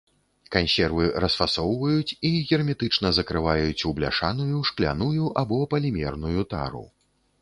Кансервы расфасоўваюць і герметычна закрываюць у бляшаную, шкляную або палімерную тару.